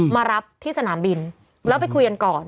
มารับที่สนามบินแล้วไปคุยกันก่อน